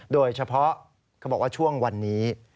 โดยเฉพาะเขาบอกว่าช่วงวันนี้